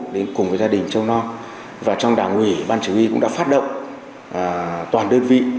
đến cùng với gia đình châu non và trong đảng ủy ban chủ huy cũng đã phát động toàn đơn vị